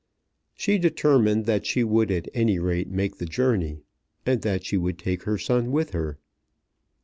She determined that she would at any rate make the journey, and that she would take her son with her.